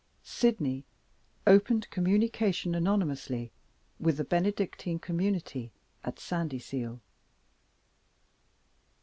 Sydney opened communication anonymously with the Benedictine community at Sandyseal.